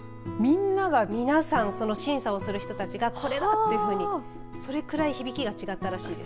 皆さん審査をする人たちがこれだというふうにそれくらい響きが違ったらしいです。